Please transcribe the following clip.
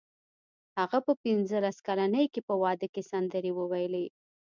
هغه په پنځلس کلنۍ کې په واده کې سندرې وویلې